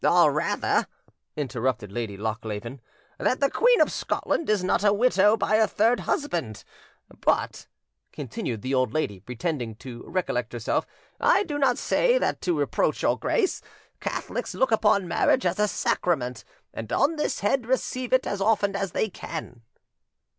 "Or rather," interrupted Lady Lochleven, "that the Queen of Scotland is not a widow by her third husband. But," continued the old lady, pretending to recollect herself, "I do not say that to reproach your grace. Catholics look upon marriage as a sacrament, and on this head receive it as often as they can."